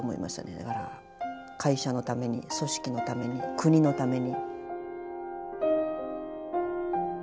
だから会社のために組織のために国のために。